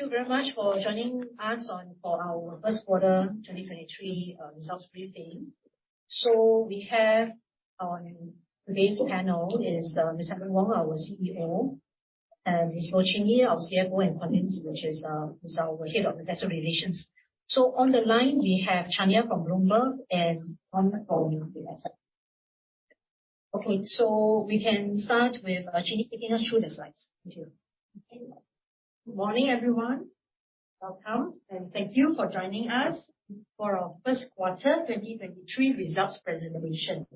Thank you very much for joining us on, for our first quarter 2023 results briefing. We have on today's panel is Helen Wong, our CEO, and Ms. Goh Chin Yee, our CFO, and Quentin, which is our Head of Investor Relations. On the line we have Chania from Bloomberg and Anna from. We can start with Chin taking us through the slides. Thank you. Good morning, everyone. Welcome, and thank you for joining us for our first quarter 2023 results presentation.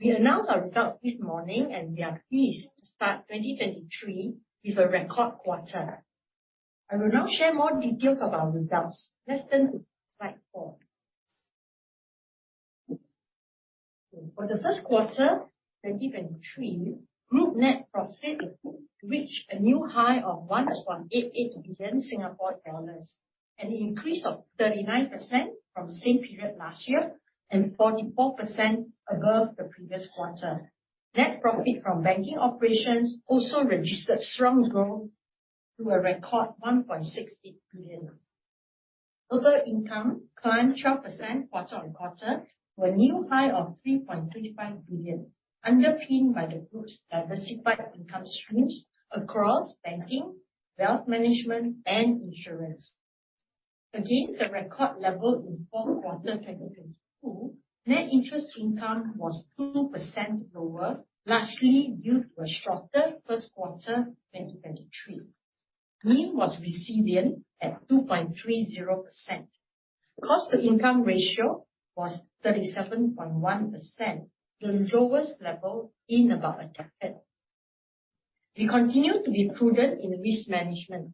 We announce our results this morning, and we are pleased to start 2023 with a record quarter. I will now share more details of our results. Let's turn to slide four. For the first quarter 2023, group net profit reached a new high of 1.88 billion Singapore dollars, an increase of 39% from the same period last year, and 44% above the previous quarter. Net profit from banking operations also registered strong growth to a record 1.68 billion. Total income climbed 12% quarter-on-quarter to a new high of 3.35 billion, underpinned by the group's diversified income streams across banking, wealth management, and insurance. Against the record level in fourth quarter 2022, net interest income was 2% lower, largely due to a shorter first quarter 2023. NIM was resilient at 2.30%. Cost to income ratio was 37.1%, the lowest level in about a decade. We continue to be prudent in risk management.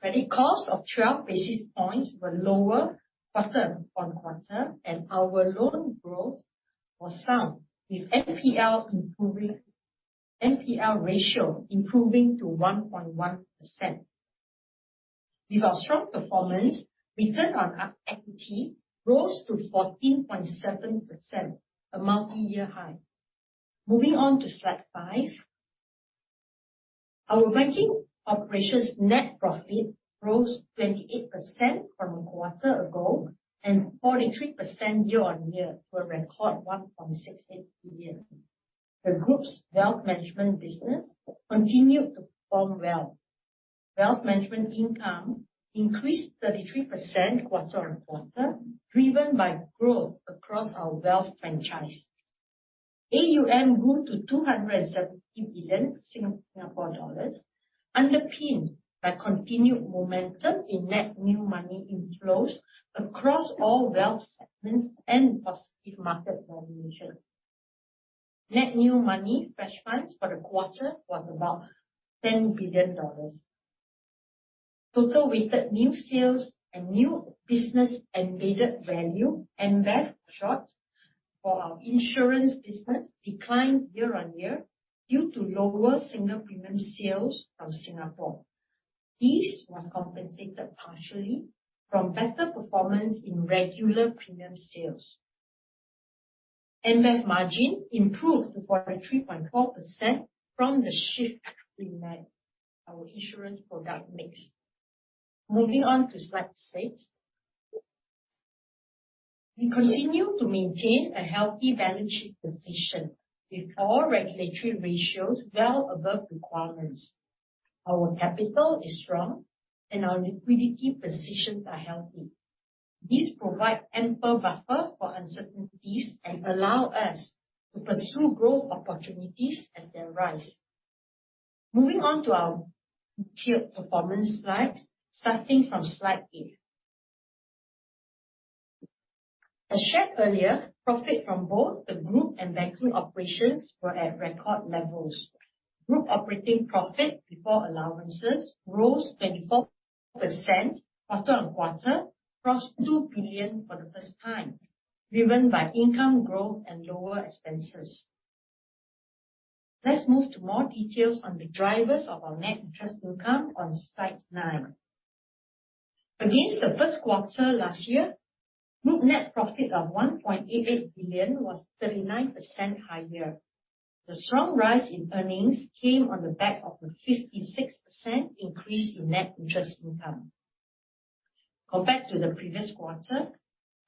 Credit costs of 12 basis points were lower quarter-on-quarter, and our loan growth was sound, with NPL ratio improving to 1.1%. With our strong performance, return on equity rose to 14.7%, a multi-year high. Moving on to slide five. Our banking operations net profit rose 28% from a quarter ago and 43% year-on-year to a record 1.68 billion. The group's wealth management business continued to perform well. Wealth management income increased 33% quarter-on-quarter, driven by growth across our wealth franchise. AUM grew to 270 billion Singapore dollars, underpinned by continued momentum in net new money inflows across all wealth segments and positive market valuation. Net new money fresh funds for the quarter was about 10 billion dollars. Total weighted new sales and new business embedded value, NBV for short, for our insurance business declined year-on-year due to lower single premium sales from Singapore. This was compensated partially from better performance in regular premium sales. NBV margin improved to 43.4% from the shift in our insurance product mix. Moving on to slide six. We continue to maintain a healthy balance sheet position with all regulatory ratios well above requirements. Our capital is strong, and our liquidity positions are healthy. These provide ample buffer for uncertainties and allow us to pursue growth opportunities as they arise. Moving on to our key performance slides, starting from slide eight. As shared earlier, profit from both the group and banking operations were at record levels. Group operating profit before allowances rose 24% quarter-on-quarter, crossed 2 billion for the first time, driven by income growth and lower expenses. Let's move to more details on the drivers of our net interest income on slide nine. Against the first quarter last year, group net profit of 1.88 billion was 39% higher. The strong rise in earnings came on the back of a 56% increase in net interest income. Compared to the previous quarter,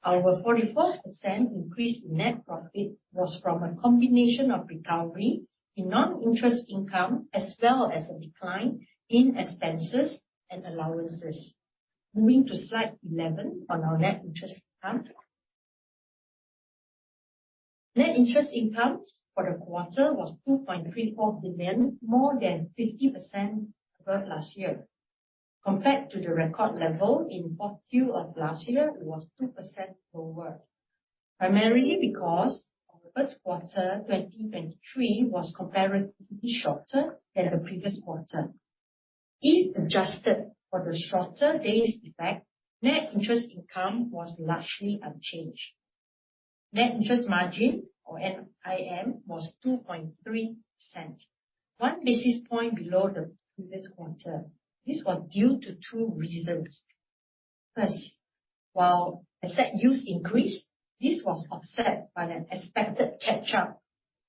our 44% increase in net profit was from a combination of recovery in non-interest income as well as a decline in expenses and allowances. Moving to Slide 11 on our net interest income. Net interest income for the quarter was 2.34 billion, more than 50% above last year. Compared to the record level in fourth Q of last year, it was 2% lower, primarily because our first quarter 2023 was comparatively shorter than the previous quarter. If adjusted for the shorter days effect, net interest income was largely unchanged. Net interest margin, or NIM, was 2.3%, one basis point below the previous quarter. This was due to two reasons. First, while asset use increased, this was offset by an expected catch-up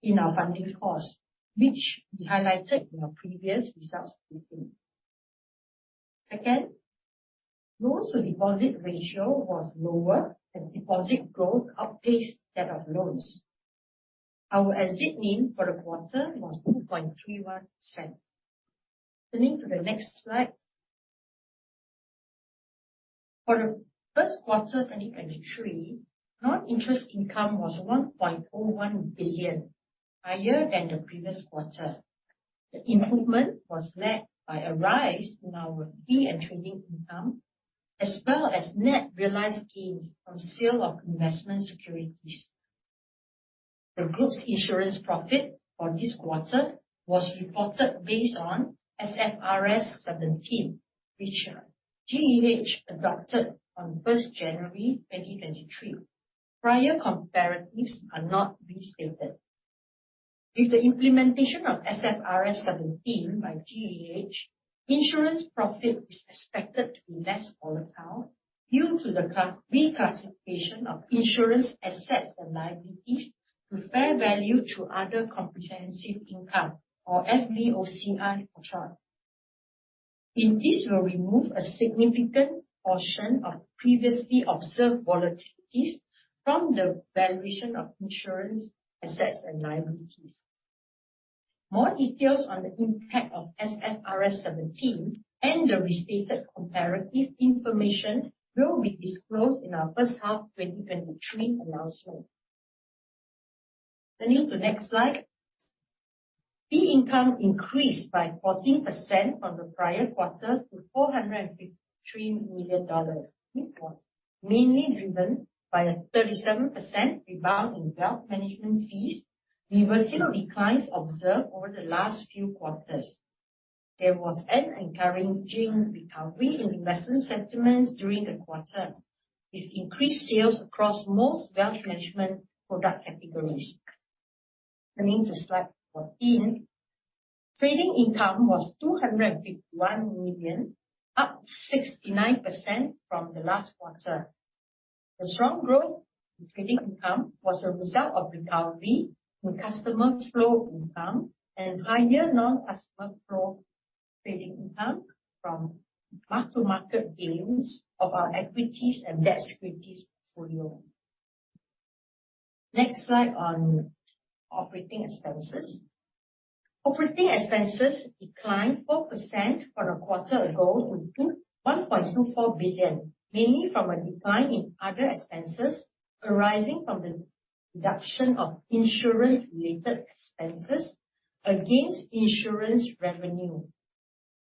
in our funding costs, which we highlighted in our previous results briefing. Second, loans to deposit ratio was lower as deposit growth outpaced that of loans. Our exit NIM for the quarter was 2.31%. Turning to the next slide. For the first quarter 2023, non-interest income was 1.41 billion, higher than the previous quarter. The improvement was led by a rise in our fee and trading income, as well as net realized gains from sale of investment securities. The group's insurance profit for this quarter was reported based on SFRS 17, which GEH adopted on first January 2023. Prior comparatives are not restated. With the implementation of SFRS 17 by GEH, insurance profit is expected to be less volatile due to the reclassification of insurance assets and liabilities to fair value to other comprehensive income or FVOCI for short. This will remove a significant portion of previously observed volatilities from the valuation of insurance assets and liabilities. More details on the impact of SFRS 17 and the restated comparative information will be disclosed in our first half 2023 announcement. Turning to next slide. Fee income increased by 14% from the prior quarter to $453 million. This was mainly driven by a 37% rebound in wealth management fees, reversing the declines observed over the last few quarters. There was an encouraging recovery in investment sentiments during the quarter, with increased sales across most wealth management product categories. Turning to Slide 14. Trading income was $251 million, up 69% from the last quarter. The strong growth in trading income was a result of recovery in customer flow income and higher non-customer flow trading income from mark to market gains of our equities and debt securities portfolio. Next slide on operating expenses. Operating expenses declined 4% from a quarter ago to 1.24 billion, mainly from a decline in other expenses arising from the reduction of insurance related expenses against insurance revenue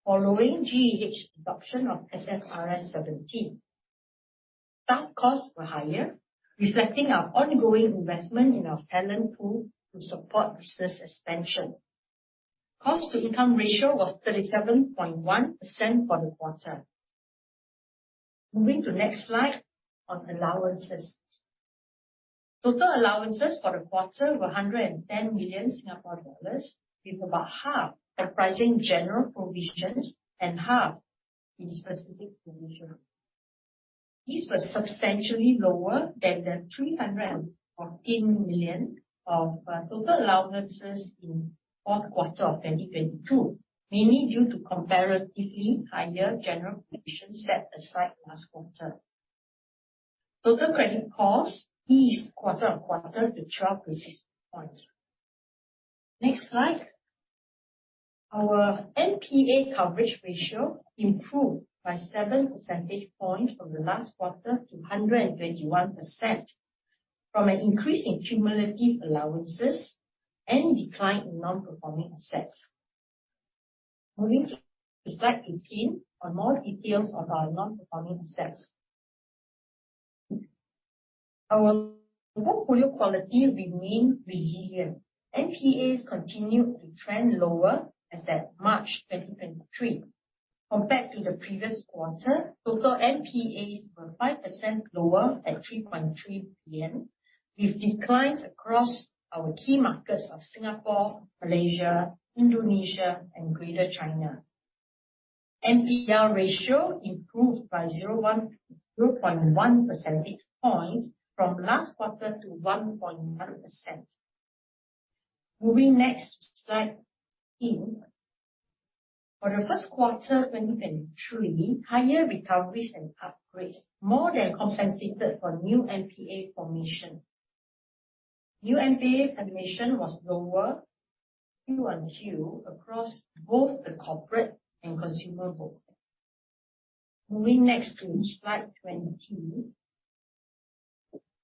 following GEH adoption of SFRS 17. Staff costs were higher, reflecting our ongoing investment in our talent pool to support business expansion. Cost to income ratio was 37.1% for the quarter. Moving to next slide on allowances. Total allowances for the quarter were 110 million Singapore dollars, with about half comprising general provisions and half in specific provisions. These were substantially lower than the 314 million total allowances in fourth quarter of 2022, mainly due to comparatively higher general provisions set aside last quarter. Total credit costs eased quarter-on-quarter to 12 basis points. Next slide. Our NPA coverage ratio improved by 7 percentage points from the last quarter to 121% from an increase in cumulative allowances and decline in non-performing assets. Moving to Slide 18 for more details on our non-performing assets. Our portfolio quality remained resilient. NPAs continued to trend lower as at March 2023. Compared to the previous quarter, total NPAs were 5% lower at 3.3 billion, with declines across our key markets of Singapore, Malaysia, Indonesia and Greater China. NPL ratio improved by 0.1 percentage points from last quarter to 1.1%. Moving next to Slide 18. For the first quarter 2023, higher recoveries and upgrades more than compensated for new NPA formation. New NPA formation was lower Q on Q across both the corporate and consumer book. Moving next to Slide 20.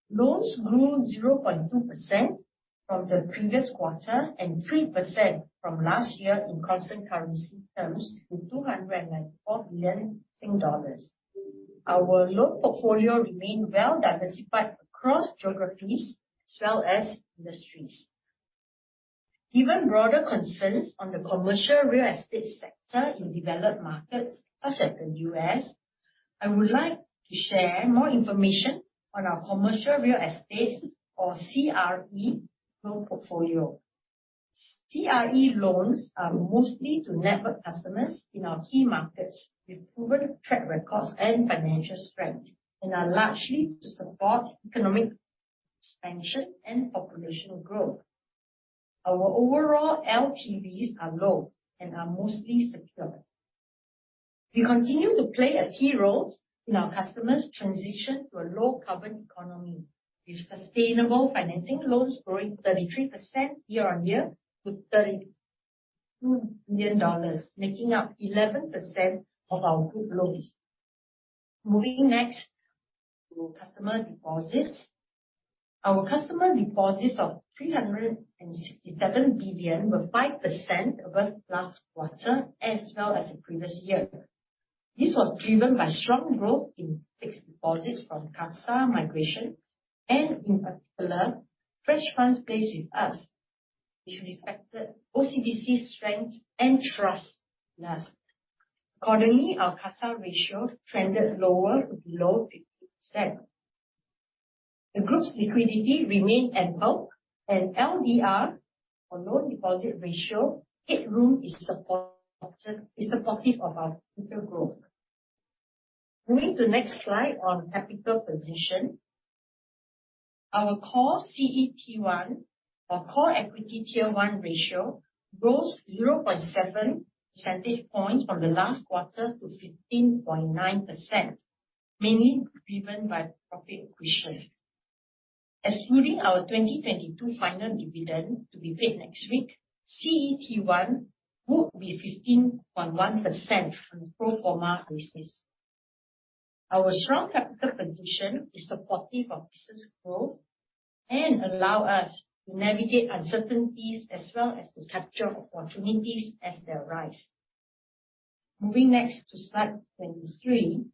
Loans grew 0.2% from the previous quarter and 3% from last year in constant currency terms to 204 billion dollars. Our loan portfolio remained well-diversified across geographies as well as industries. Given broader concerns on the commercial real estate sector in developed markets such as the U.S., I would like to share more information on our commercial real estate or CRE loan portfolio. TRE loans are mostly to network customers in our key markets with proven track records and financial strength, and are largely to support economic expansion and population growth. Our overall LTVs are low and are mostly secure. We continue to play a key role in our customers' transition to a low carbon economy, with sustainable financing loans growing 33% year on year to 32 billion dollars, making up 11% of our group loans. Moving next to customer deposits. Our customer deposits of 367 billion were 5% over last quarter as well as the previous year. This was driven by strong growth in fixed deposits from CASA migration and in particular fresh funds placed with us, which reflected OCBC's strength and trust in us. Accordingly, our CASA ratio trended lower below 50%. The group's liquidity remained ample, LDR or loan deposit ratio headroom is supportive of our future growth. Moving to next slide on capital position. Our core CET1 or core equity tier one ratio rose 0.7 percentage points from the last quarter to 15.9%, mainly driven by profit acquisitions. Excluding our 2022 final dividend to be paid next week, CET1 would be 15.1% on a pro forma basis. Our strong capital condition is supportive of business growth and allow us to navigate uncertainties as well as to capture opportunities as they arise. Moving next to Slide 23.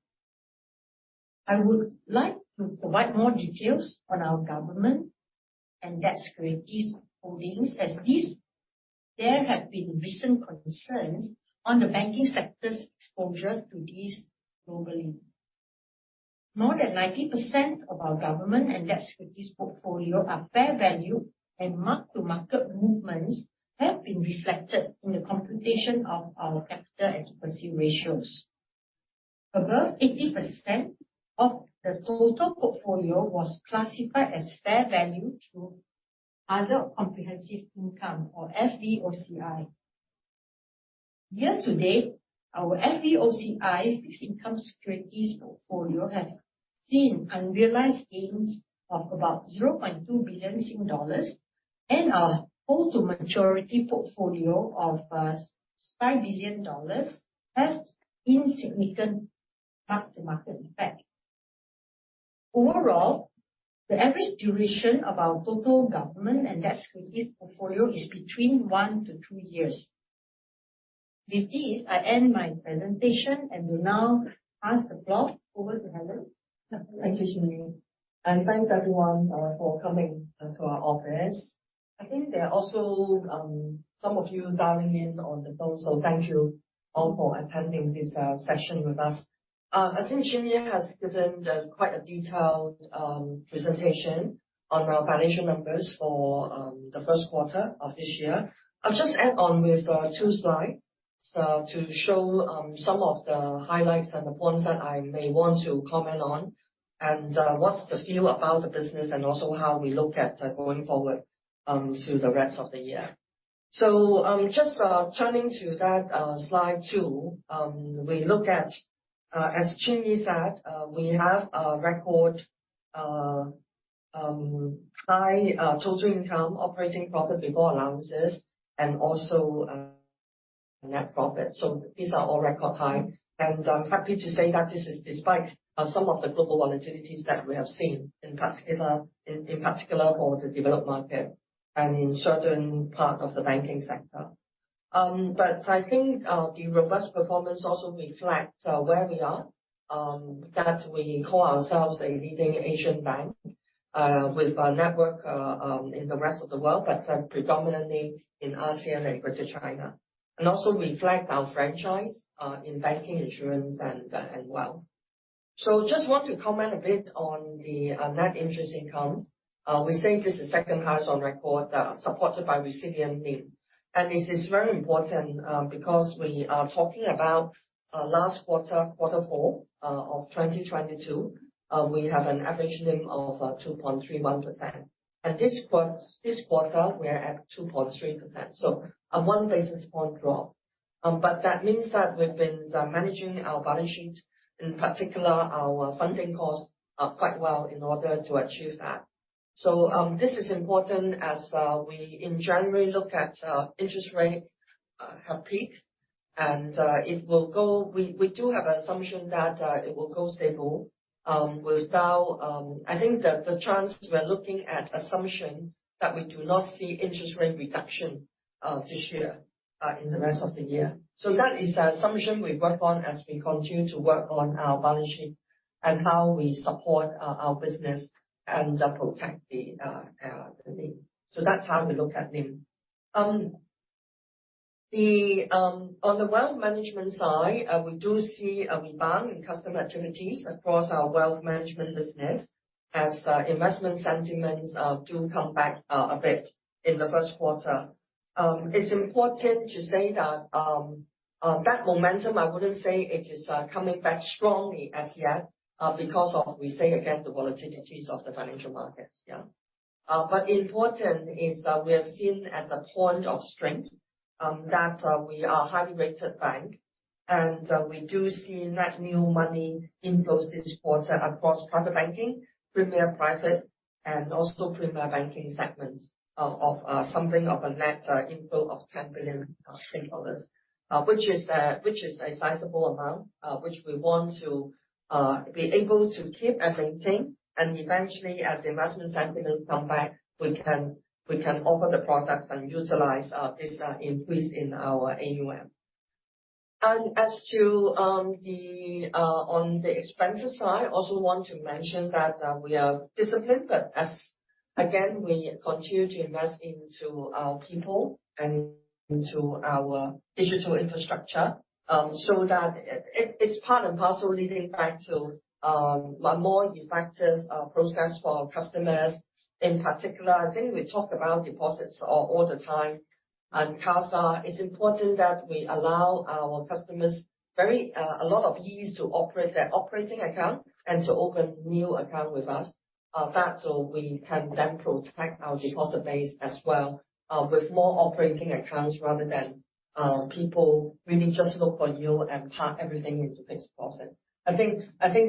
I would like to provide more details on our government and debt securities holdings as there have been recent concerns on the banking sector's exposure to these globally. More than 90% of our government and debt securities portfolio are fair value, and mark-to-market movements have been reflected in the computation of our capital adequacy ratios. Above 80% of the total portfolio was classified as fair value through other comprehensive income or FVOCI. Year to date, our FVOCI fixed income securities portfolio has seen unrealized gains of about 0.2 billion Sing dollars and our hold-to-maturity portfolio of 65 billion dollars has insignificant mark-to-market effect. Overall, the average duration of our total government and debt securities portfolio is between one to two years. With this, I end my presentation and will now pass the floor over to Helen. Thank you, Chin Yeong. Thanks, everyone, for coming to our office. I think there are also some of you dialing in on the phone. Thank you all for attending this session with us. I think Chin Yeong has given quite a detailed presentation on our financial numbers for the first quarter of this year. I'll just add on with two slides to show some of the highlights and the points that I may want to comment on, and what's the feel about the business, and also how we look at going forward to the rest of the year. Just turning to that slide two, we look at as Chin Yeong said, we have a record high total income operating profit before allowances and also a net profit. These are all record high. I'm happy to say that this is despite some of the global volatilities that we have seen, in particular for the developed market and in certain parts of the banking sector. I think the robust performance also reflects where we are, that we call ourselves a leading Asian bank with a network in the rest of the world, predominantly in ASEAN and Greater China. Also reflect our franchise in banking, insurance and wealth. Just want to comment a bit on the net interest income. We say this is second highest on record, supported by resilient NIM. This is very important, because we are talking about last quarter four, of 2022, we have an average NIM of 2.31%. This quarter, we're at 2.3%, so a 1 basis point drop. That means that we've been managing our balance sheet, in particular our funding costs, quite well in order to achieve that. This is important as we in January look at interest rate have peaked and it will go. We do have assumption that it will go stable without. I think that the chances we're looking at assumption that we do not see interest rate reduction this year in the rest of the year. That is the assumption we work on as we continue to work on our balance sheet and how we support our business and protect the NIM. That's how we look at NIM. On the wealth management side, we do see a rebound in customer activities across our wealth management business as investment sentiments do come back a bit in the first quarter. It's important to say that that momentum, I wouldn't say it is coming back strongly as yet, because of, we say again, the volatilities of the financial markets, yeah. Important is that we are seen as a point of strength, that we are highly rated bank. We do see net new money inflows this quarter across private banking, Premier private, and also Premier Banking segments of something of a net inflow of 10 billion dollars. Which is a sizable amount, which we want to be able to keep and maintain. Eventually, as investment sentiment come back, we can offer the products and utilize this increase in our AUM. As to the on the expenditure side, I also want to mention that we are disciplined, but as again, we continue to invest into our people and into our digital infrastructure, so that it's part and parcel leading back to a more effective process for our customers. In particular, I think we talked about deposits all the time. CASA is important that we allow our customers very a lot of ease to operate their operating account and to open new account with us, that so we can then protect our deposit base as well, with more operating accounts rather than people really just look for yield and park everything into fixed deposit. I think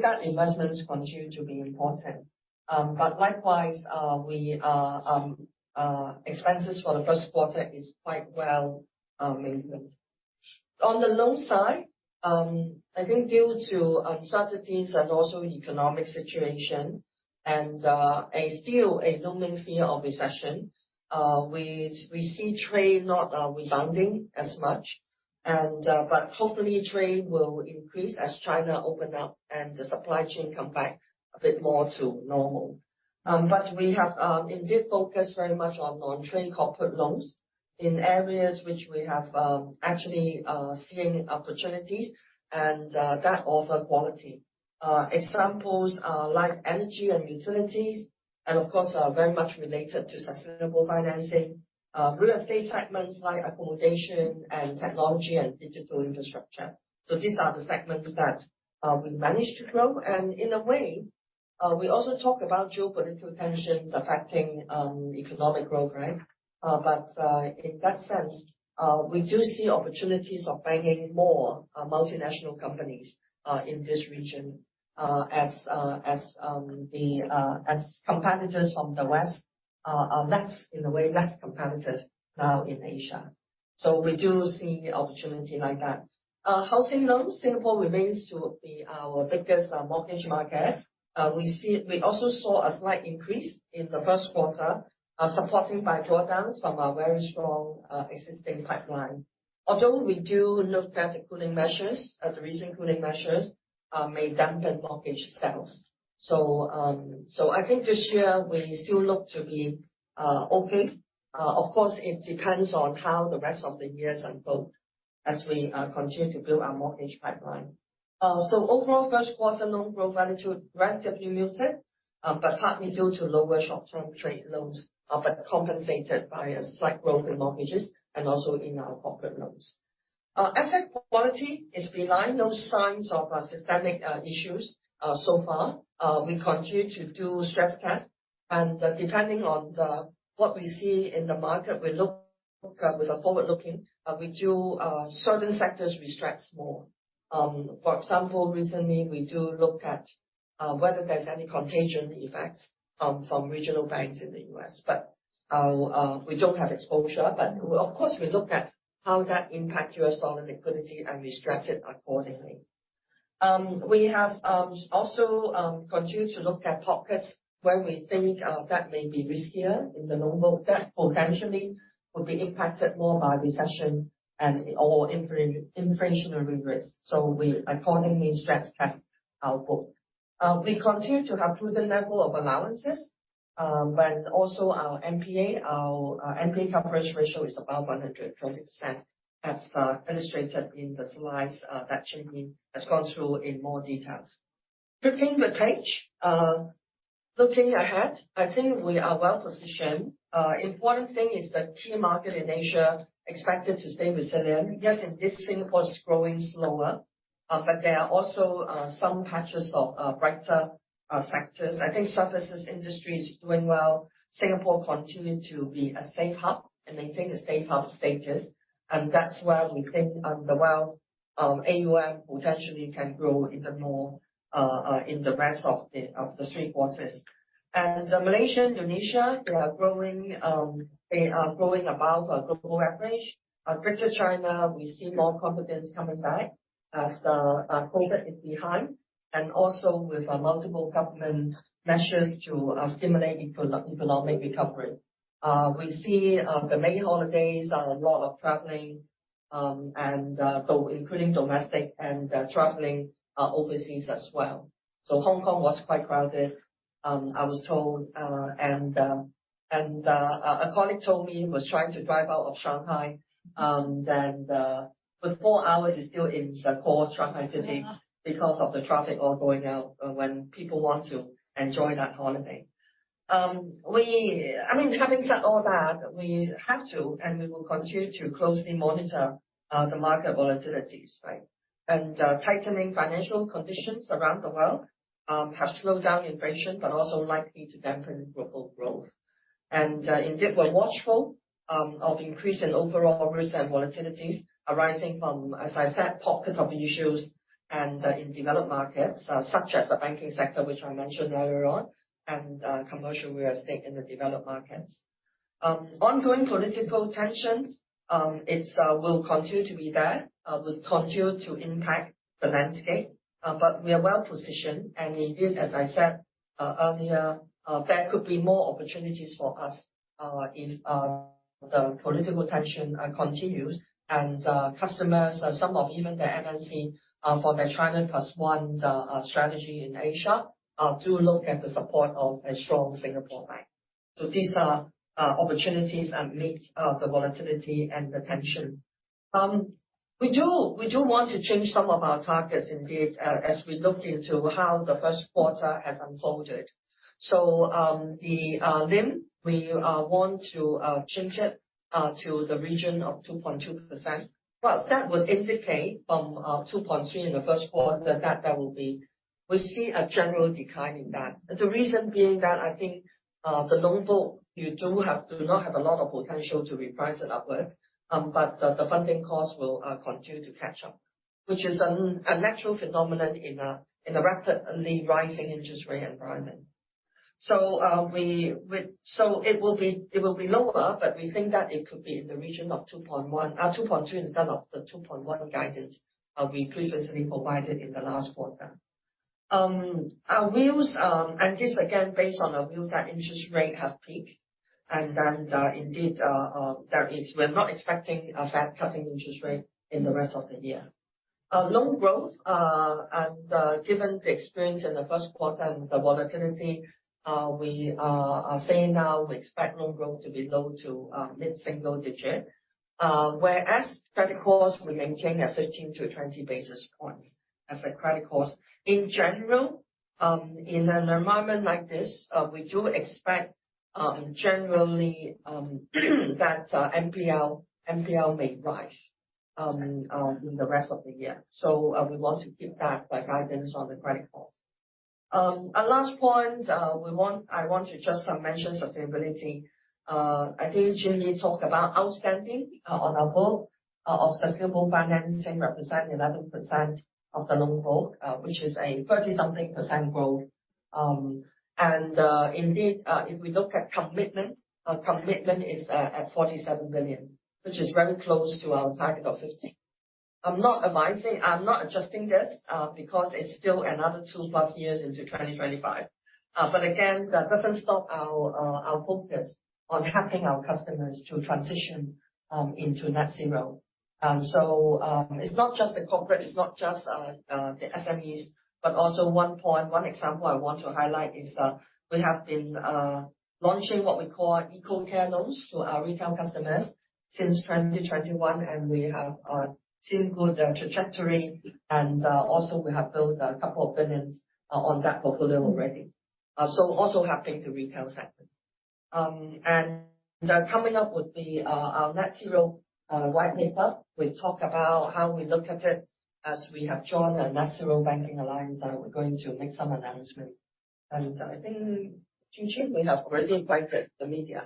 that investment continue to be important. Likewise, we are expenses for the first quarter is quite well maintained. On the loan side, I think due to uncertainties and also economic situation and a still a looming fear of recession, we see trade not rebounding as much. Hopefully trade will increase as China open up and the supply chain come back a bit more to normal. We have indeed focused very much on non-trade corporate loans in areas which we have actually seeing opportunities and that offer quality. Examples are like energy and utilities, and of course, are very much related to sustainable financing. Real estate segments like accommodation and technology and digital infrastructure. These are the segments that we managed to grow. In a way, we also talk about geopolitical tensions affecting economic growth, right? In that sense, we do see opportunities of banking more multinational companies in this region. As competitors from the West are less in a way, less competitive now in Asia. We do see opportunity like that. Housing loans, Singapore remains to be our biggest mortgage market. We also saw a slight increase in the first quarter, supported by drawdowns from a very strong existing pipeline. Although we do note that the cooling measures, the recent cooling measures, may dampen mortgage sales. I think this year we still look to be okay. Of course, it depends on how the rest of the year unfold as we continue to build our mortgage pipeline. Overall, first quarter loan growth relatively muted, but partly due to lower short-term trade loans, but compensated by a slight growth in mortgages and also in our corporate loans. Our asset quality is benign. No signs of systemic issues so far. We continue to do stress test and, depending on what we see in the market, we look with a forward-looking, we do certain sectors we stress more. For example, recently we do look at whether there's any contagion effects from regional banks in the U.S. We don't have exposure. Of course, we look at how that impact U.S. dollar liquidity, and we stress it accordingly. We have also continued to look at pockets where we think that potentially will be impacted more by recession and/or inflationary risks. We accordingly stress test our book. We continue to have prudent level of allowances, but also our NPA, our NPA coverage ratio is above 120%, as illustrated in the slides that Goh Chin Yee has gone through in more details. Flipping the page, looking ahead, I think we are well positioned. Important thing is that key market in Asia expected to stay resilient. Yes, in this Singapore is growing slower, but there are also some patches of brighter sectors. I think services industry is doing well. Singapore continue to be a safe hub and maintain a safe hub status. That's where we think the wealth of AUM potentially can grow even more in the rest of the three quarters. Malaysia, Indonesia, they are growing above our global average. Greater China, we see more confidence coming back as COVID is behind and also with multiple government measures to stimulate eco-economic recovery. We see the May holidays, a lot of traveling, and though including domestic and traveling overseas as well. Hong Kong was quite crowded. I was told, and a colleague told me he was trying to drive out of Shanghai, then for four hours he's still in the core of Shanghai City because of the traffic all going out when people want to enjoy that holiday. I mean, having said all that, we have to, and we will continue to closely monitor the market volatilities, right? Tightening financial conditions around the world have slowed down inflation, but also likely to dampen global growth. Indeed, we're watchful of increase in overall risk and volatilities arising from, as I said, pockets of issues and in developed markets, such as the banking sector, which I mentioned earlier on, and commercial real estate in the developed markets. Ongoing political tensions, it's will continue to be there, will continue to impact the landscape. We are well-positioned and indeed, as I said earlier, there could be more opportunities for us if the political tension continues. Customers, some of even the MNC, for their China plus one strategy in Asia, do look at the support of a strong Singapore bank. These are opportunities amidst the volatility and the tension. We do want to change some of our targets indeed as we look into how the first quarter has unfolded. The NIM, we want to change it to the region of 2.2%. That would indicate from 2.3% in the first quarter we see a general decline in that. The reason being that I think the loan book, you do have to not have a lot of potential to reprice it upwards. The funding costs will continue to catch up. Which is a natural phenomenon in a rapidly rising interest rate environment. It will be lower, but we think that it could be in the region of 2.1%-2.25 instead of the 2.1% guidance we previously provided in the last quarter. Our views, and this again, based on the view that interest rate has peaked. Indeed, we're not expecting a Fed cutting interest rate in the rest of the year. Our loan growth, given the experience in the first quarter and the volatility, we are saying now we expect loan growth to be low to mid-single digit. Whereas credit costs, we maintain at 15 basis points-20 basis points as a credit cost. In general, in an environment like this, we do expect, generally, that NPL may rise in the rest of the year. We want to keep that by guidance on the credit cost. Our last point, I want to just mention sustainability. I think Jinli talked about outstanding on our book of sustainable financing represent 11% of the loan book, which is a 30-something% growth. Indeed, if we look at commitment is at 47 billion, which is very close to our target of 50 billion. I'm not adjusting this, because it's still another 2+ years into 2025. That doesn't stop our focus on helping our customers to transition into net zero. It's not just the corporate, it's not just the SMEs. Also one point, one example I want to highlight is, we have been launching what we call Eco-Care Loans to our retail customers since 2021 and we have seen good trajectory. Also we have built SGD a couple of billions on that portfolio already. Also helping the retail segment. Coming up with our net zero white paper. We talk about how we look at it as we have joined the Net-Zero Banking Alliance, we're going to make some announcement. I think, Jinli, we have already invited the media.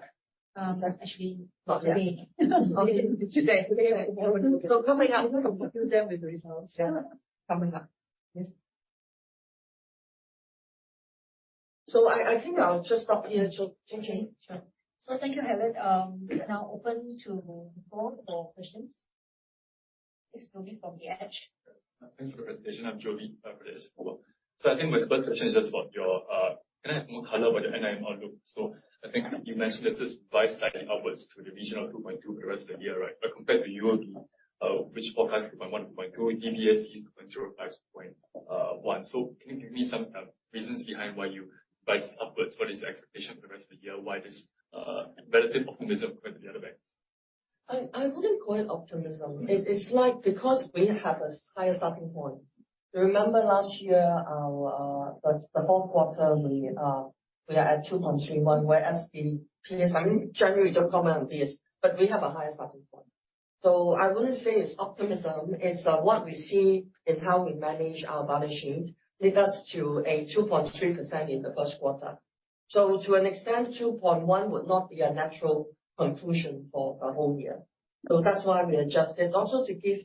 actually not today. Okay. Today. Today. Coming up. We're going to confuse them with results. Yeah. Coming up. Yes. I think I'll just stop here. Jinli. Thank you, Helen. Now open to the floor for questions. It's Jovi Ho from The Edge. Thanks for the presentation. I'm Jovi Ho from The Edge. I think my first question is just about your, can I have more color about the NIM outlook? I think you mentioned this is price hiking upwards to the region of 2.2% for the rest of the year, right? Compared to UOB, which forecast 2.1%-2.2%, DBS is 2.05%-2.1%. Can you give me some reasons behind why you price upwards for this expectation for the rest of the year? Why this relative optimism compared to the other banks? I wouldn't call it optimism. It's like because we have a higher starting point. You remember last year, our the fourth quarter, we are at 2.31%, whereas the PS, I mean, generally we don't comment on PS, but we have a higher starting point. I wouldn't say it's optimism. It's what we see in how we manage our balance sheet lead us to a 2.3% in the 1st quarter. To an extent, 2.1% would not be a natural conclusion for the whole year. That's why we adjusted. Also to give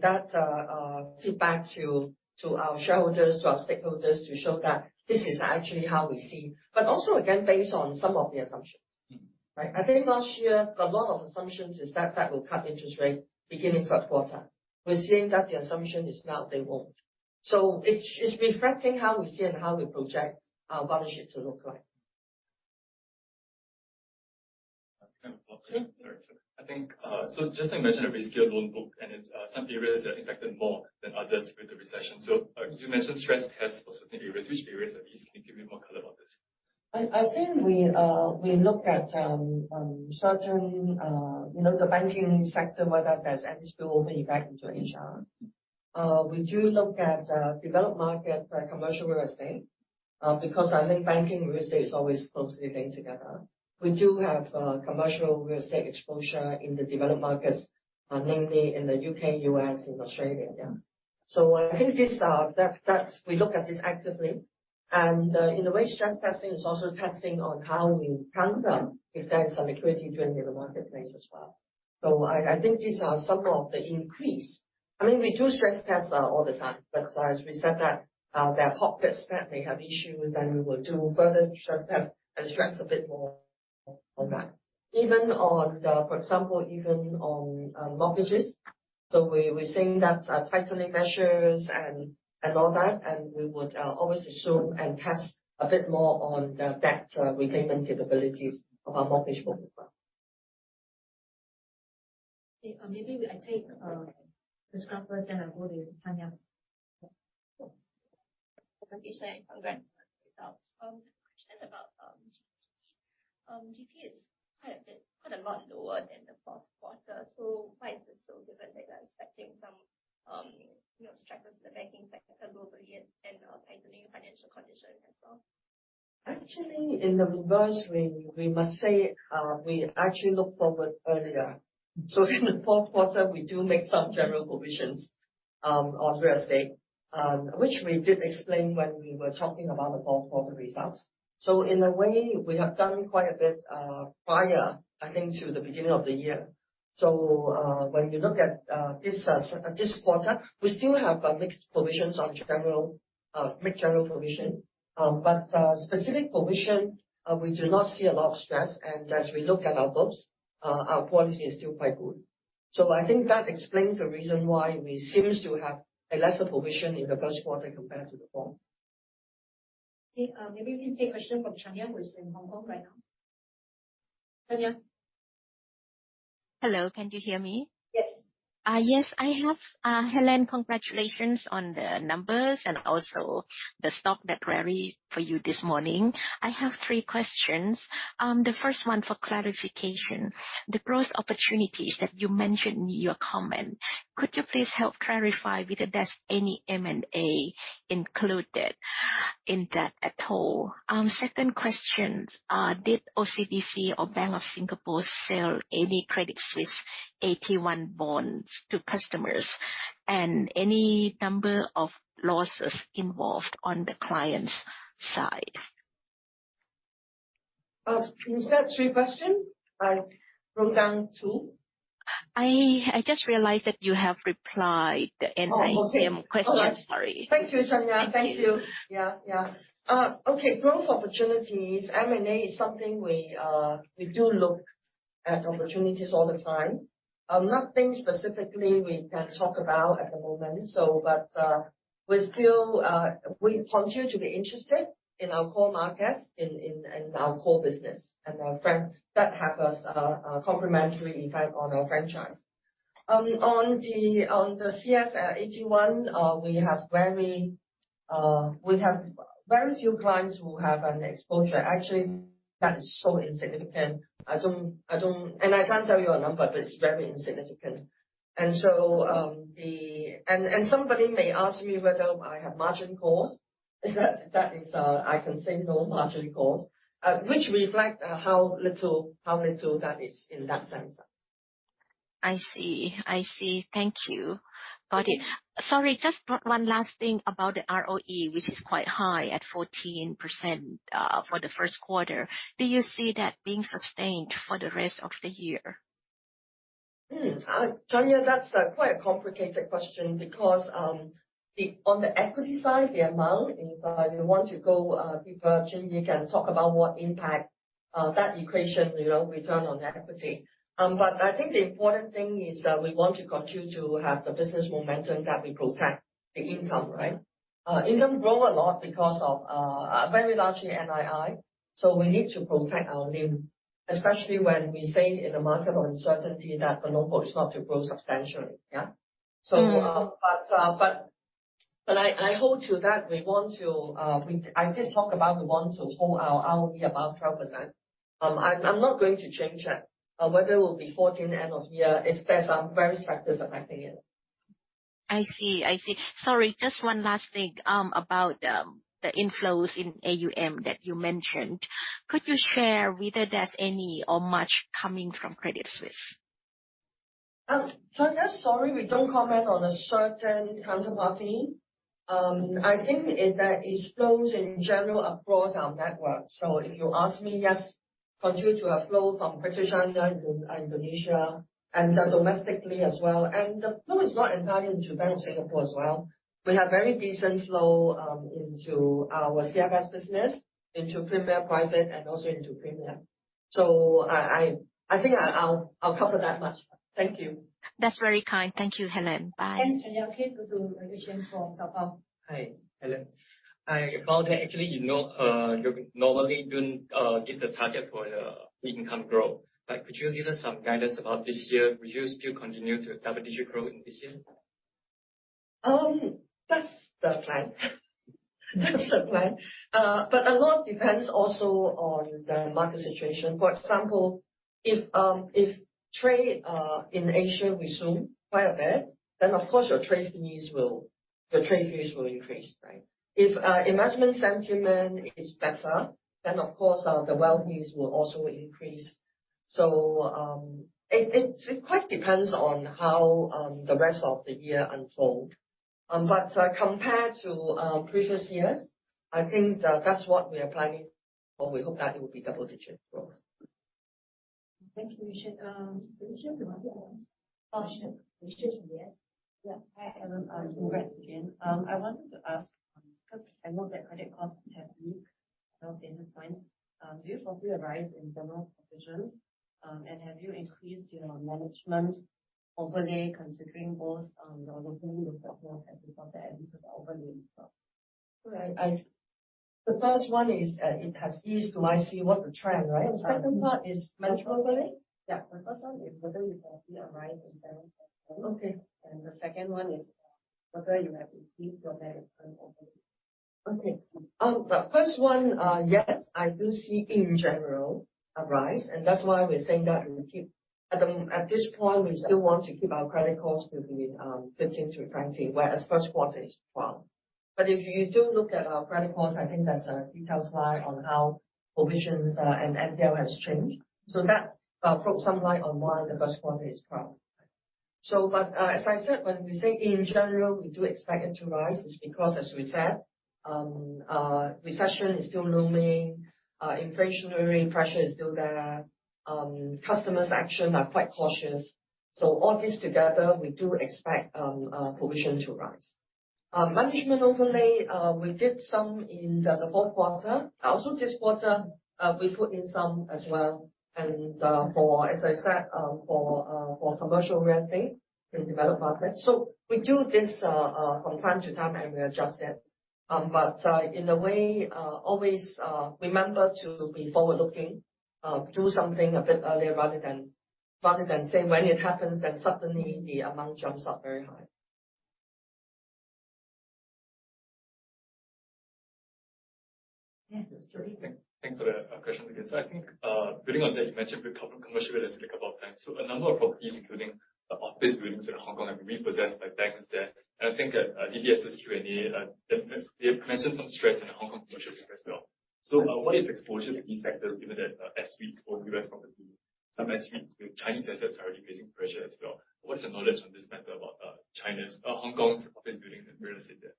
that feedback to our shareholders, to our stakeholders to show that this is actually how we see. Also again, based on some of the assumptions. Mm-hmm. Right? I think last year the loan assumptions is that Fed will cut interest rates beginning third quarter. We're seeing that the assumption is now they won't. It's reflecting how we see and how we project our balance sheet to look like. Sorry. I think, just imagine a reskilled loan book, it's some areas that are impacted more than others with the recession. You mentioned stress tests for certain areas. Which areas are these? Can you give me more color about this? I think we look at certain, you know, the banking sector, whether there's any spillover impact into Asia. We do look at developed market commercial real estate because I think banking real estate is always closely linked together. We do have commercial real estate exposure in the developed markets, namely in the UK, US, and Australia, yeah. I think this, that we look at this actively. In a way, stress testing is also testing on how you counter if there is a liquidity drain in the marketplace as well. I think these are some of the increase. I mean, we do stress tests, all the time. As we said that, there are pockets that may have issue, then we will do further stress test and stress a bit more on that. For example, even on mortgages. We're seeing that, tightening measures and all that, and we would always assume and test a bit more on the debt repayment capabilities of our mortgage book as well. Maybe I take Chris Gajilan first, then I'll go to Chanya. Okay. Congrats on the results. Question about, GP is quite a lot lower than the fourth quarter, why is it so different than expecting some stresses in the banking sector globally and tightening financial conditions as well? Actually, in the reverse, we must say, we actually look forward earlier. In the fourth quarter, we do make some general provisions on real estate, which we did explain when we were talking about the fourth quarter results. In a way, we have done quite a bit prior, I think, to the beginning of the year. When you look at this quarter, we still have a mixed provisions on general, make general provision. Specific provision, we do not see a lot of stress. As we look at our books, our quality is still quite good. I think that explains the reason why we seems to have a lesser provision in the first quarter compared to the fourth. Okay. Maybe we can take a question from Chanya, who is in Hong Kong right now. Chanya? Hello, can you hear me? Yes. Yes. I have Helen, congratulations on the numbers and also the stock that rally for you this morning. I have three questions. The first one for clarification. The growth opportunities that you mentioned in your comment, could you please help clarify whether there's any M&A included in that at all? Second question, did OCBC or Bank of Singapore sell any Credit Suisse AT1 bonds to customers? Any number of losses involved on the clients side? Is that 3 questions? I wrote down 2. I just realized that you have replied. Oh, okay. I am questions. Sorry. Thank you, Chanya. Thank you. Yeah, yeah. Okay. Growth opportunities. M&A is something we do look at opportunities all the time. Nothing specifically we can talk about at the moment. We still continue to be interested in our core markets in our core business and our fran-- that has a complementary effect on our franchise. On the CS AT1, we have very few clients who have an exposure. Actually, that is so insignificant, I can't tell you a number, but it's very insignificant. Somebody may ask me whether I have margin calls. That is I can say no margin calls, which reflect how little that is in that sense. I see. I see. Thank you. Got it. Okay. Sorry, just one last thing about the ROE, which is quite high at 14%, for the first quarter. Do you see that being sustained for the rest of the year? Chanya, that's quite a complicated question because on the equity side, the amount, if you want to go deeper, Jin Lee can talk about what impact that equation, you know, return on equity. But I think the important thing is that we want to continue to have the business momentum that we protect the income, right? Income grow a lot because of very largely NII. We need to protect our NIM, especially when we say in a market of uncertainty that the loan book is not to grow substantially, yeah? Mm. But I hold to that. I did talk about we want to hold our ROE above 12%. I'm not going to change that. Whether it will be 14 end of year, it's, there's various factors affecting it. I see. I see. Sorry, just one last thing, about the inflows in AUM that you mentioned. Could you share whether there's any or much coming from Credit Suisse? Chanya, sorry, we don't comment on a certain counterparty. I think there is flows in general across our network. If you ask me, yes, continue to have flow from Greater China, Indonesia, and domestically as well. The flow is not entirely into Bank of Singapore as well. We have very decent flow, into our CFS business, into Premier Private, and also into Premier. I think I'll cover that much. Thank you. That's very kind. Thank you, Helen. Bye. Thanks, Chanya. Okay, go to Richard from Zaobao. Hi, Helen. I found that actually, you know, you normally don't give the target for the income growth. Could you give us some guidance about this year? Would you still continue to double-digit growth in this year? That's the plan. That's the plan. A lot depends also on the market situation. For example, if trade in Asia resume quite a bit, then of course your trade fees will increase, right? If investment sentiment is better, then of course, the wealth news will also increase. It quite depends on how the rest of the year unfold. Compared to previous years, I think that's what we are planning for. We hope that it will be double digits growth. Thank you, Michelle. Did Michelle provide the answer? Oh, sure. Let's just read it. Yeah. Hi, Helen. It's congrats again. I wanted to ask, because I know that credit costs have eased at this point, do you foresee a rise in general provisions? Have you increased your management overlay considering both, your looking with the portfolio and because overlays as well? Right. The first one is, it has eased. Do I see what the trend, right? The second part is management overlay. Yeah. The first one is whether you can see a rise in general provisions. Okay. The second one is whether you have increased your management overlay. Okay. The first one, yes, I do see in general a rise, and that's why we're saying that we keep... At the, at this point, we still want to keep our credit costs to be 15 credit costs-20 credit costs, whereas first quarter is 12 credit costs. If you do look at our credit costs, I think that's a detailed slide on how provisions and NPL has changed. That throw some light on why the first quarter is 12 credit costs. As I said, when we say in general, we do expect it to rise. It's because, as we said, recession is still looming, inflationary pressure is still there. Customers action are quite cautious. All this together, we do expect provision to rise. Management overlay, we did some in the fourth quarter. Also this quarter, we put in some as well. For, as I said, for commercial real estate in developed markets. We do this, from time to time, and we adjust it. In a way, always, remember to be forward-looking. Do something a bit earlier rather than, rather than say when it happens, then suddenly the amount jumps up very high. Yeah, sure. Thanks for the question again. I think, building on that, you mentioned we've covered commercial real estate a couple of times. A number of properties, including office buildings in Hong Kong, have been repossessed by banks there. I think that, DBS's Q&A, they've mentioned some stress in the Hong Kong commercial real estate as well. What is exposure to these sectors, given that, S-REITs or U.S. property, some S-REITs with Chinese assets are already facing pressure as well. What's the knowledge on this matter about Hong Kong's office buildings and real estate there?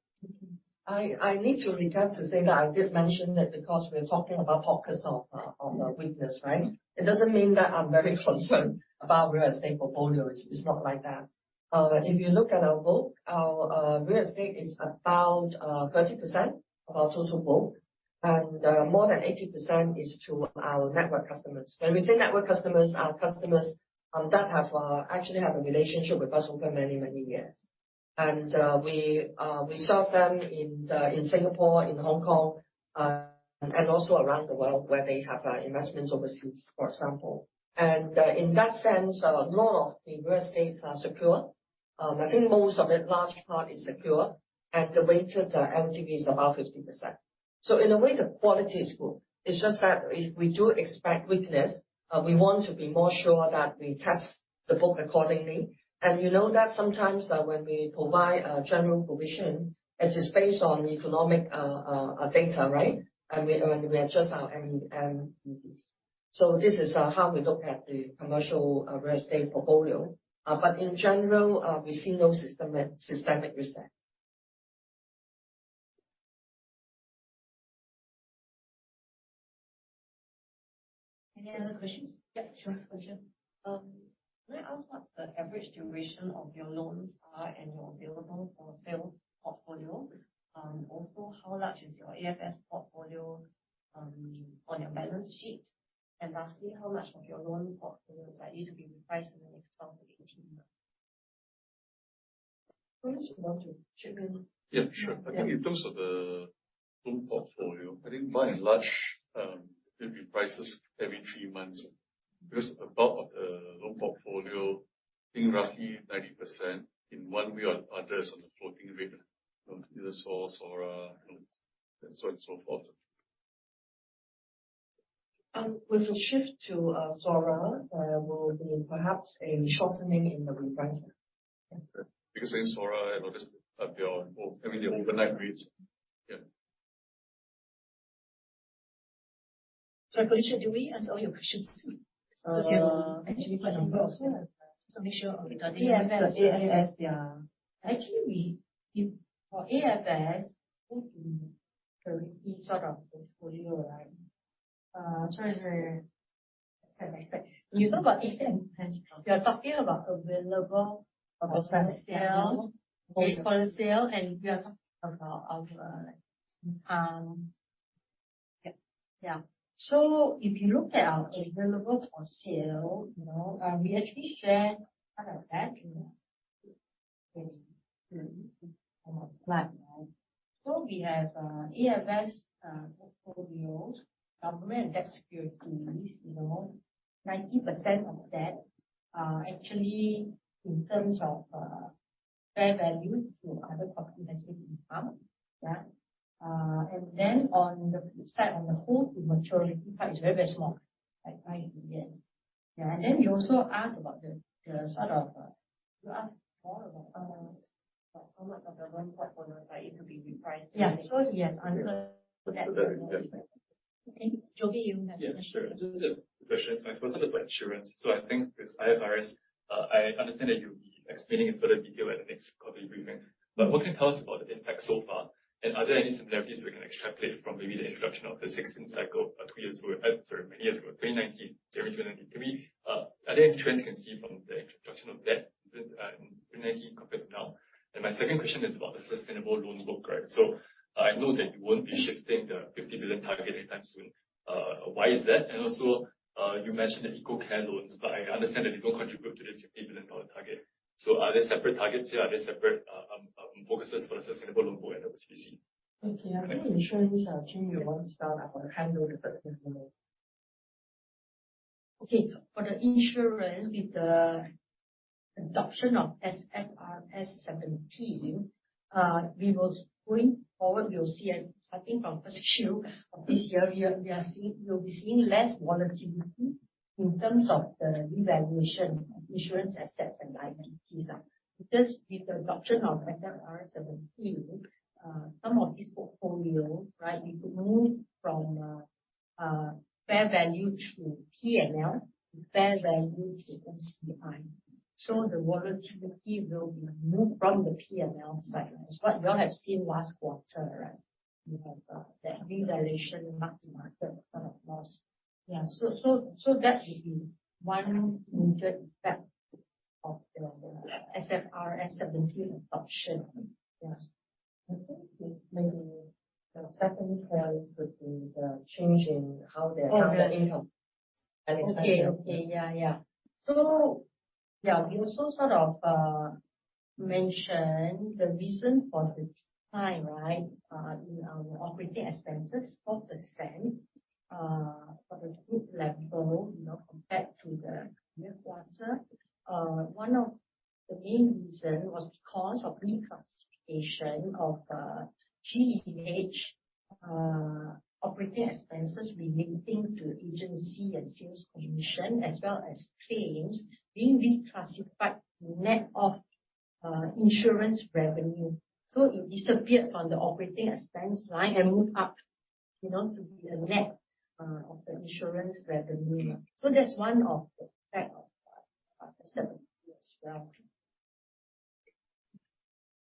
I need to recap to say that I did mention that we are talking about focus on the weakness, right? It doesn't mean that I'm very concerned about real estate portfolio. It's not like that. If you look at our book, our real estate is about 30% of our total book. More than 80% is to our network customers. When we say network customers, are customers that actually have a relationship with us over many, many years. We serve them in Singapore, in Hong Kong, and also around the world where they have investments overseas, for example. In that sense, a lot of the real estates are secure. I think most of it, large part is secure, and the weighted LTV is about 50%. In a way, the quality is good. It's just that if we do expect weakness, we want to be more sure that we test the book accordingly. You know that sometimes, when we provide general provision, it is based on economic data, right? We adjust our NNPLs. This is how we look at the commercial real estate portfolio. In general, we see no systemic risk there. Any other questions? Yeah, sure. Question. May I ask what the average duration of your loans are and your available for sale portfolio? Also, how large is your AFS portfolio on your balance sheet? Lastly, how much of your loan portfolios are due to be repriced in the next 12 months-18 months? Why don't you start with Chiou-Ping? Yeah, sure. I think in terms of the loan portfolio, I think by and large, it reprices every three months. The bulk of the loan portfolio, I think roughly 90% in one way or other, is on a floating rate, you know, SOR, SORA, you know, and so on and so forth. With a shift to SORA, there will be perhaps a shortening in the repricing. Yeah. In SORA, you know, Well, I mean, the overnight rates. Yeah. Sorry, Patricia, did we answer all your questions? Uh. You have actually quite a number of them. Make sure we got it. AFS. AFS, yeah. Actually, for AFS, I think we sort of portfolio, right? sorry. You talk about AFS. We are talking about available for sale. For sale, we are talking about our... Yeah. If you look at our available for sale, you know, we actually share part of that, you know. We have, AFS, portfolios, government debt securities, you know, 90% of that are actually in terms of, fair value to other comprehensive income, yeah. Then on the side, on the hold to maturity part, it's very, very small. Like 5 million. Yeah. Then you also asked about the sort of, You asked more about how much of the loan portfolios are yet to be repriced. Yeah. yes, under that- Okay. Joey, you. Sure. Those are the questions. My first one is for insurance. I think this IFRS 17, I understand that you'll be explaining in further detail at the next company briefing. What can you tell us about the impact so far? Are there any similarities we can extrapolate from maybe the introduction of the 16 cycle, two years ago, sorry, many years ago, 2019, January 2019? Are there any trends you can see from the introduction of that with in 2019 compared to now? My second question is about the sustainable loan book, right? I know that you won't be shifting the 50 billion target anytime soon. Why is that? Also, you mentioned the Eco-Care Loans, I understand that they don't contribute to the SGD 60 billion target. Are they separate targets or are they separate focuses for the sustainable loan book and OCBC? Okay. Maybe insurance, Chin, you want to start? I will handle the second one. For the insurance, with the adoption of SFRS 17, going forward, we'll be seeing less volatility in terms of the revaluation of insurance assets and liabilities. With the adoption of SFRS 17, you know, some of this portfolio, right, it will move from fair value to PNL to fair value to OCI. The volatility will be removed from the PNL side. It's what you all have seen last quarter, right? You have the revaluation mark-to-market kind of loss. Yeah. That will be one major effect of the SFRS 17 adoption. Yeah. I think it's maybe the second layer would be the change in how they earn their income. Okay. Okay. Yeah. Yeah, we also sort of mention the reason for the decline, right, in our operating expenses, 4%, for the group level, you know, compared to the previous quarter. One of the main reason was because of reclassification of GEH operating expenses relating to agency and sales commission, as well as claims being reclassified net of insurance revenue. It disappeared from the operating expense line and moved up, you know, to be a net of the insurance revenue. That's one of the effect of SFRS 17 as well.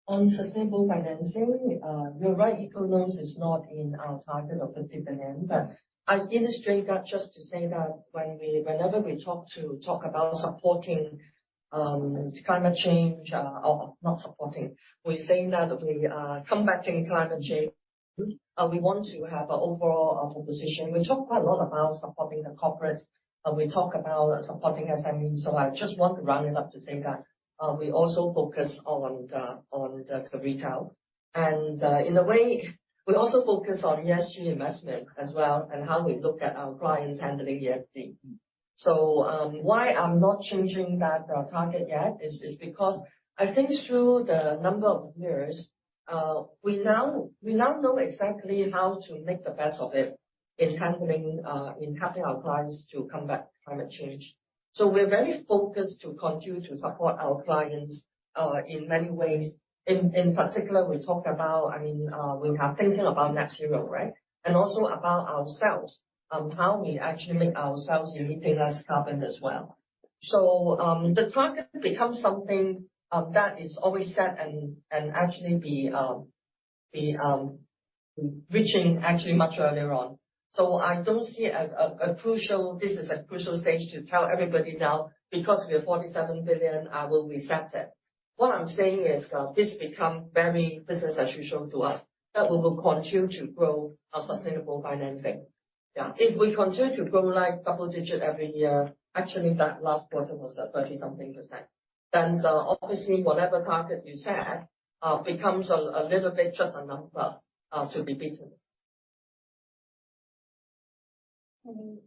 On sustainable financing, you're right, Eco-Care Loans is not in our target of 50 billion. I illustrate that just to say that whenever we talk about supporting climate change, or not supporting, we're saying that we are combating climate change. We want to have an overall proposition. We talk quite a lot about supporting the corporates, and we talk about supporting SMEs. I just want to round it up to say that we also focus on the retail. In a way, we also focus on ESG investment as well, and how we look at our clients handling ESG. Why I'm not changing that target yet is because I think through the number of years, we now know exactly how to make the best of it in handling, in helping our clients to combat climate change. We're very focused to continue to support our clients in many ways. In particular, we talk about, I mean, we are thinking about net zero, right? And also about ourselves, how we actually make ourselves emitting less carbon as well. The target becomes something that is always set and actually be reaching actually much earlier on. This is a crucial stage to tell everybody now, because we are 47 billion, I will reset it. What I'm saying is, this become very business as usual to us, that we will continue to grow our sustainable financing. Yeah. If we continue to grow like double digit every year, actually that last quarter was at 30 something %, obviously whatever target you set becomes a little bit just a number to be beaten. I mean,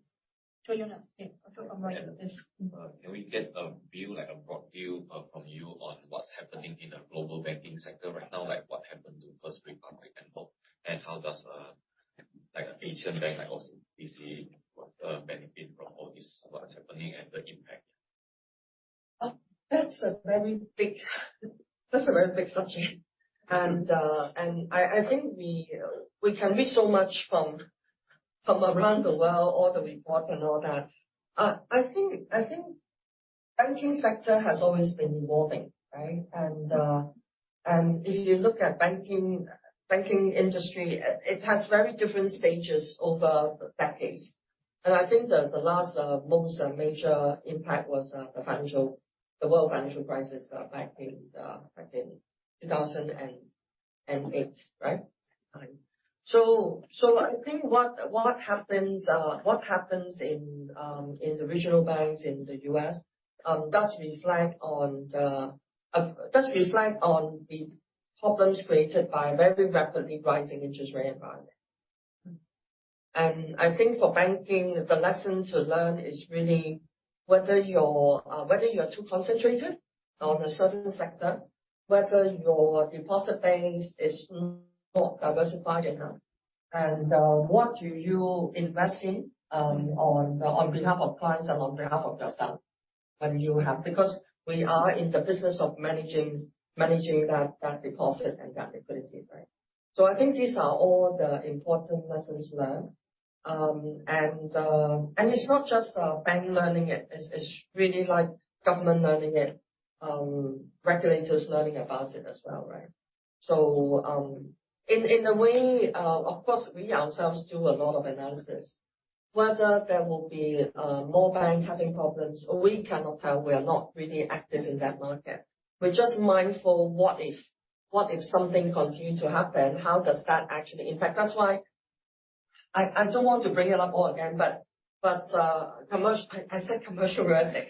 Julian, yeah. Can we get a view, like a broad view, from you on what's happening in the global banking sector right now? What happened to First Republic and all, and how does, like Asian bank like OCBC, benefit from all this, what's happening and the impact? That's a very big subject. I think we can read so much from around the world, all the reports and all that. I think banking sector has always been evolving, right? If you look at banking industry, it has very different stages over decades. I think the last most major impact was The world financial crisis back in 2008, right? So I think what happens in the regional banks in the US does reflect on the problems created by very rapidly rising interest rate environment. I think for banking, the lesson to learn is really whether you're too concentrated on a certain sector, whether your deposit base is not diversified enough, and what do you invest in on behalf of clients and on behalf of yourself when you have. We are in the business of managing that deposit and that liquidity, right? I think these are all the important lessons learned. It's not just bank learning it. It's really like government learning it, regulators learning about it as well, right? In a way, of course, we ourselves do a lot of analysis. Whether there will be more banks having problems, we cannot tell. We are not really active in that market. We're just mindful, what if... what if something continue to happen, how does that actually impact? That's why I don't want to bring it up all again, I said commercial real estate.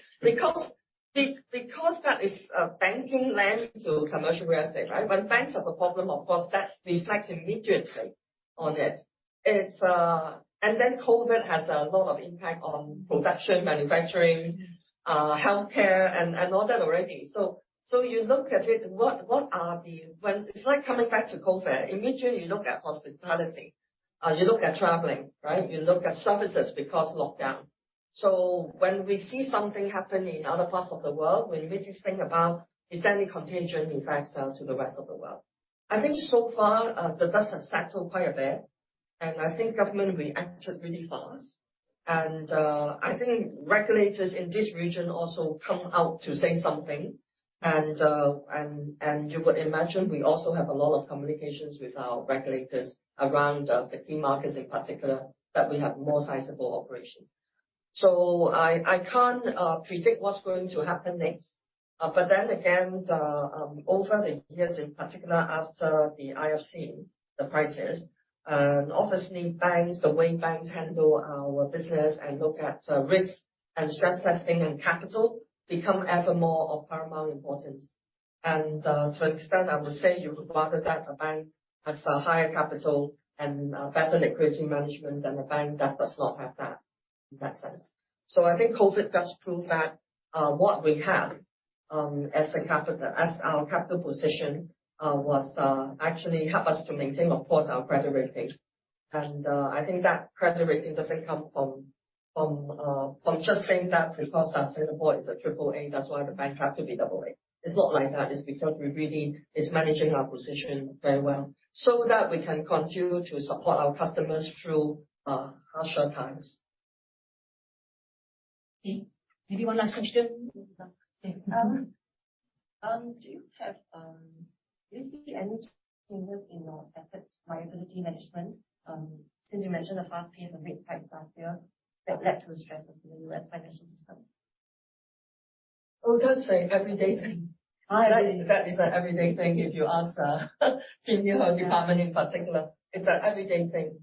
because that is banking lend to commercial real estate, right? banks have a problem, of course, that reflects immediately on it. It's. COVID has a lot of impact on production, manufacturing, healthcare and all that already. you look at it, what are the. It's like coming back to COVID. Immediately you look at hospitality, you look at traveling, right? You look at services, because lockdown. when we see something happen in other parts of the world, we immediately think about, is there any contagion effects to the rest of the world. I think so far, the dust has settled quite a bit, and I think government reacted really fast. I think regulators in this region also come out to say something. You would imagine we also have a lot of communications with our regulators around the key markets in particular, that we have more sizable operation. I can't predict what's going to happen next. Over the years, in particular after the GFC, the crisis, and obviously banks, the way banks handle our business and look at risk and stress testing and capital, become ever more of paramount importance. To an extent, I would say you would rather that a bank has the higher capital and better liquidity management than a bank that does not have that, in that sense. I think COVID does prove that what we have as a capital, as our capital position, was actually help us to maintain, of course, our credit rating. I think that credit rating doesn't come from just saying that because Singapore is a triple A, that's why the bank have to be double A. It's not like that. It's because we really is managing our position very well so that we can continue to support our customers through harsher times. Okay. Maybe one last question. Yeah. Do you see any changes in your efforts, viability management, since you mentioned the fast pace of rate hikes last year that led to the stresses in the U.S. financial system? I would just say everyday thing. Oh, okay. That is an everyday thing, if you ask, Chin Yee her department in particular. It's an everyday thing.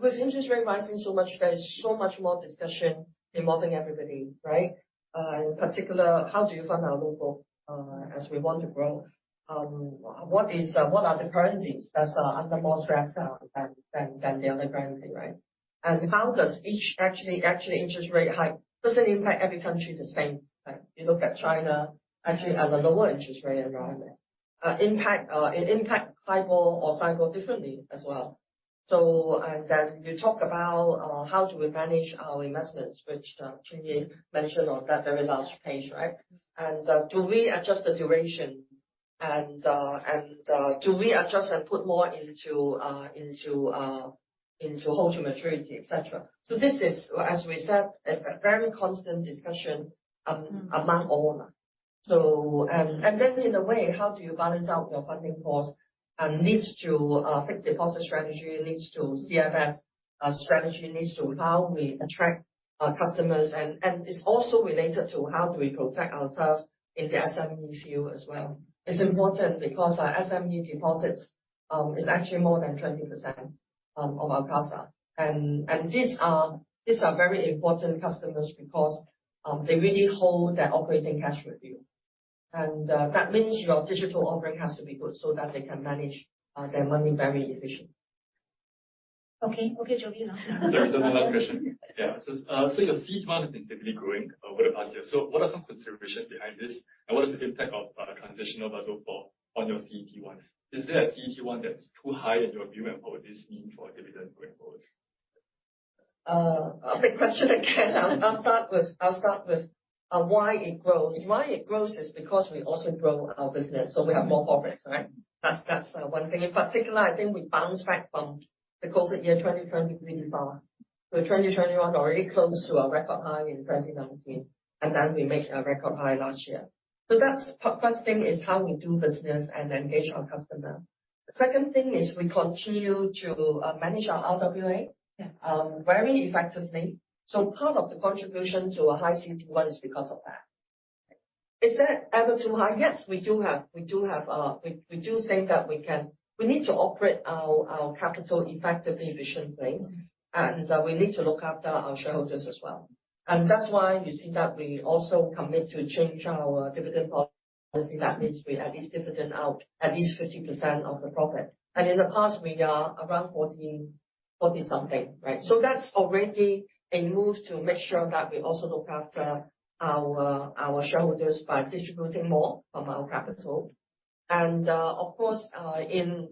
With interest rate rising so much, there is so much more discussion involving everybody, right? In particular, how do you fund our loan book, as we want to grow? What is, what are the currencies that are under more stress now than the other currency, right? How does each. Actually, interest rate hike doesn't impact every country the same, right? You look at China actually at a lower interest rate environment. It impact HIBOR or SIBOR differently as well. You talk about, how do we manage our investments, which Chin Yee mentioned on that very last page, right? Do we adjust the duration and do we adjust and put more into hold to maturity, et cetera. This is, as we said, a very constant discussion among all. In a way, how do you balance out your funding costs, leads to fixed deposit strategy, leads to CFS strategy, leads to how we attract our customers. It's also related to how do we protect ourselves in the SME field as well. It's important because our SME deposits is actually more than 20% of our CASA. These are very important customers because they really hold their operating cash with you. That means your digital offering has to be good so that they can manage their money very efficiently. Okay. Okay, Jovi now. Sorry. Just another question. Yeah. Your CET1 has been steadily growing over the past year. What are some considerations behind this, and what is the impact of transitional Basel IV on your CET1? Is there a CET1 that's too high in your view, and what would this mean for dividends going forward? A big question again. I'll start with why it grows. Why it grows is because we also grow our business, so we have more profits, right? That's one thing. In particular, I think we bounce back from the COVID year 2020 really fast. 2021 already close to our record high in 2019, and then we make a record high last year. That's. First thing is how we do business and engage our customer. Second thing is we continue to manage our RWA. Yeah. very effectively. Part of the contribution to a high CET1 is because of that. Is that ever too high? Yes, we do have, we do think that we need to operate our capital effectively, efficiently. Mm-hmm. We need to look after our shareholders as well. That's why you see that we also commit to change our dividend policy. That means we at least dividend out at least 50% of the profit. In the past we are around 40 something, right? That's already a move to make sure that we also look after our shareholders by distributing more from our capital. Of course, in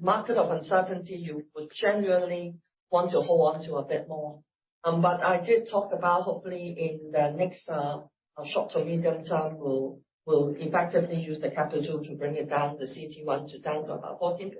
market of uncertainty, you would generally want to hold on to a bit more. I did talk about hopefully in the next short to medium term, we'll effectively use the capital to bring it down, the CET1 to down to about 40%.